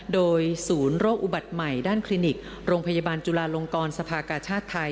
โดยศูนย์โรคอุบัติใหม่ด้านคลินิกโรงพยาบาลจุลาลงกรสภากาชาติไทย